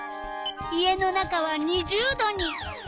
家の中は２０℃に。